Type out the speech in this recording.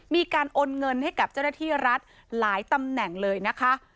มีการโอนเงินให้กับเจ้าหน้าที่รัฐหลายตำแหน่งเลยนะคะ